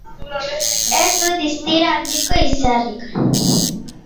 Ez du distira handiko izarrik.